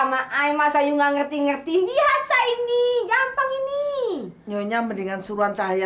sampai jumpa di video selanjutnya